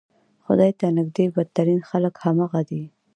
خدای ته نږدې بدترین خلک همغه دي.